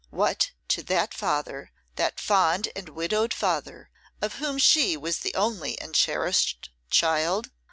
What, to that father, that fond and widowed father, of whom she was the only and cherished child!